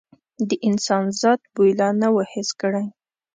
د انسان ذات بوی لا نه و حس کړی.